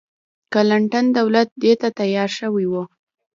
کلنټن دولت دې ته تیار شوی و.